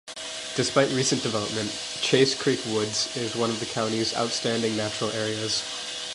Despite recent development, Chase Creek Woods is one of the county's outstanding natural areas.